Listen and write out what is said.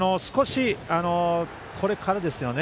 これからですね。